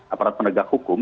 aparat penegak hukum